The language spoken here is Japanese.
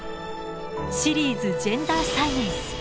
「シリーズジェンダーサイエンス」。